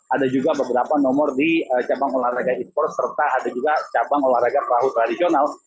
ada juga beberapa nomor di cabang olahraga e sports serta ada juga cabang olahraga perahu tradisional